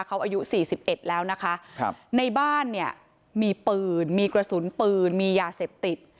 เขาอายุ๔๑แล้วนะคะในบ้านเนี่ยมีปืนมีกระสุนปืนมียาเสพติด